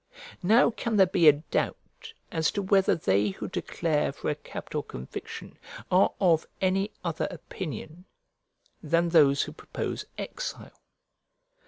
Now can there be a doubt as to whether they who declare for a capital conviction are of any other opinion than those who propose exile!